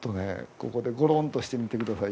ここでゴロンとしてみてください